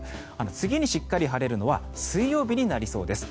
次にしっかり晴れるのは水曜日になりそうです。